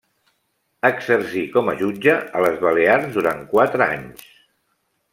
Exercí com a jutge a les Balears durant quatre anys.